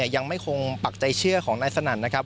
ยังคงปักใจเชื่อของนายสนั่นนะครับ